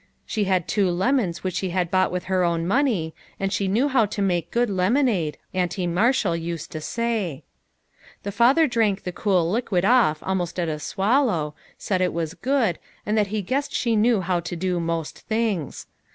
she had two lemons which she bought with her own money, and she knew how to make good lemon ade, Auntie Marshall used to say. The father drank the cool liquid off almost at a swallow, said it was good, and that he guessed she knew how to do most things.